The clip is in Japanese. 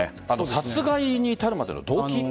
殺害に至るまでの動機。